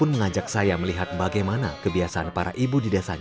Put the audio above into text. menjadi berbagai produk olahan